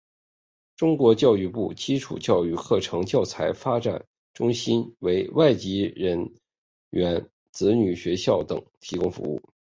中国教育部基础教育课程教材发展中心为外籍人员子女学校等提供服务。